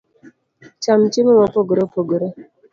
Cham chiemo ma opogore opogore